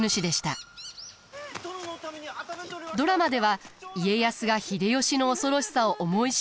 ドラマでは家康が秀吉の恐ろしさを思い知る様が描かれます。